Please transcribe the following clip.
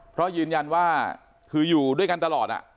เพราะยืนยันว่าคืออยู่ด้วยกันตลอด